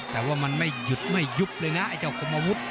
แต่ว่ามันไม่หยุดไม่ยุบเลยนะไอ้เจ้าคมอาวุธ